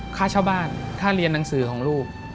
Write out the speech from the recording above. ค่าเช่าบ้านค่าเรียนหนังสือของลูก